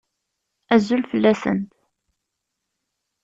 Azul fell-asent.